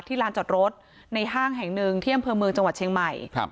ลานจอดรถในห้างแห่งหนึ่งที่อำเภอเมืองจังหวัดเชียงใหม่